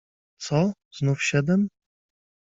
- Co? Znów siedem?